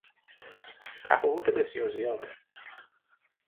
تفاوت بسیار زیاد